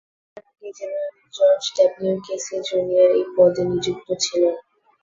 তার আগে general George W Casey, junior এই পদে নিযুক্ত ছিলেন।